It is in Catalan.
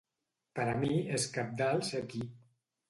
Per a mi és cabdal ser aquí.